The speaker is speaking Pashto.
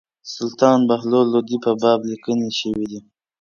سلطان بهلول لودي په باب لیکني شوي دي.